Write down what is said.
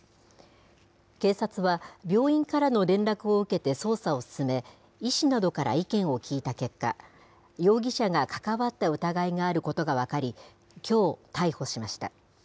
警察は、病院からの連絡を受けて捜査を進め、医師などから意見を聞いた結果、容疑者が関わった疑いがあることが分かり、きょう、逮捕しました。